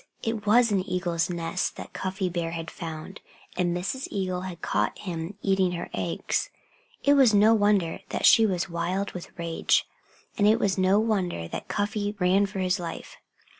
It was an eagle's nest that Cuffy Bear had found, And Mrs. Eagle had caught him eating her eggs. It was no wonder that she was wild with rage. And it was no wonder that Cuffy ran for his life.